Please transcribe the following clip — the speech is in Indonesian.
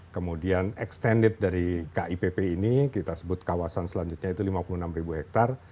kemudian extended dari kipp ini kita sebut kawasan selanjutnya itu lima puluh enam hektare